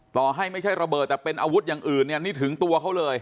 ต่อให้ไม่ใช่ระเบิดแต่เป็นอาวุธอย่างอื่นเนี่ยนี่ถึงตัวเขาเลย